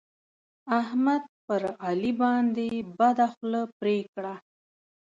احمد پر علي باندې بده خوله پرې کړه.